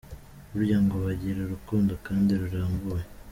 Burya ngo bagira urukundo kandi rurambye.